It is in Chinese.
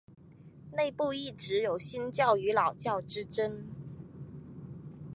内部一直有新教与老教之争。